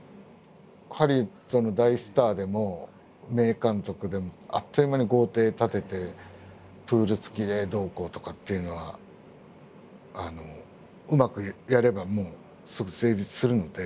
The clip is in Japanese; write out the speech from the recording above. ハリウッドの大スターでも名監督でもあっという間に豪邸建ててプール付きでどうこうとかっていうのはうまくやればもうすぐ成立するので。